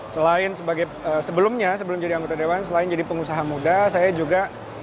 selain sebagai sebelumnya sebelum jadi anggota dewan selain jadi pengusaha muda saya juga